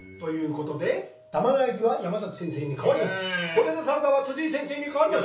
ポテトサラダは辻井先生にかわります。